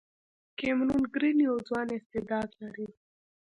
کیمرون ګرین یو ځوان استعداد لري.